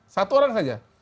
satu orang saja